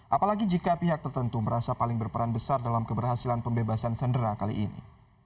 apalagi jika pihak tertentu merasa paling berperan besar dalam keberhasilan pembebasan sandera kali ini